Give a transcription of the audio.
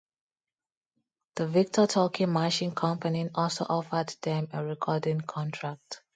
The Victor Talking Machine Company also offered them a recording contract.